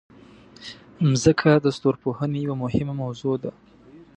مځکه د ستورپوهنې یوه مهمه موضوع ده.